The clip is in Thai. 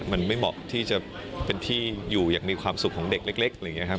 มันไม่เหมาะที่จะเป็นที่อยู่อย่างมีความสุขของเด็กเล็กอะไรอย่างนี้ครับ